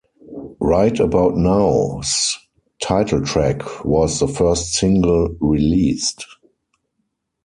"Right About Now"'s title track was the first single released.